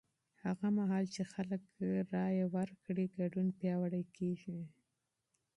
هغه مهال چې خلک رایه ورکړي، ګډون پیاوړی کېږي.